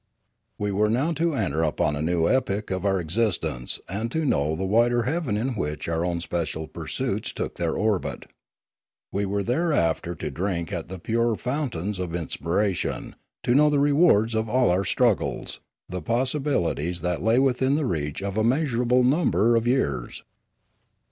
We were now to enter upon a new epoch of our existence and to know the wider heaven in which our own special pursuits took their orbit. We were there after to drink at the purer fountains of inspiration, to know the rewards of all our struggles, the possibilities that lay within the reach of a measurable number of years.